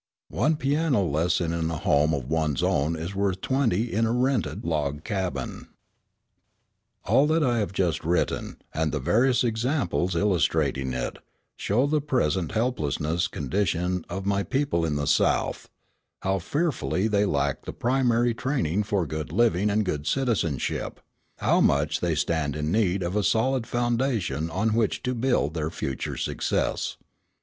One piano lesson in a home of one's own is worth twenty in a rented log cabin. All that I have just written, and the various examples illustrating it, show the present helpless condition of my people in the South, how fearfully they lack the primary training for good living and good citizenship, how much they stand in need of a solid foundation on which to build their future success.